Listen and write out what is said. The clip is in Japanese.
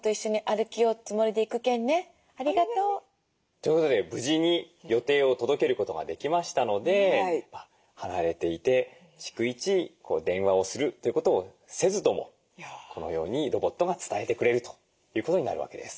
ということで無事に予定を届けることができましたので離れていて逐一電話をするってことをせずともこのようにロボットが伝えてくれるということになるわけです。